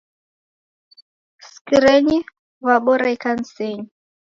Sikirenyi w'abora ikanisenyi.